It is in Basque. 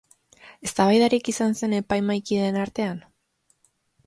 Eztabaidarik izan zen epaimahaikideen artean?